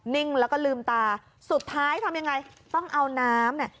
นิ่งแล้วก็ลืมตาสุดท้ายทำยังไงต้องเอาน้ำเนี่ย